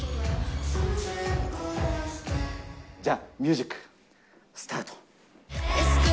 じゃあミュージックスタート。